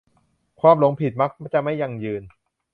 ความหลงผิดมักจะไม่ยั่งยืน